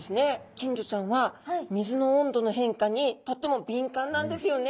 金魚ちゃんは水の温度の変化にとても敏感なんですよね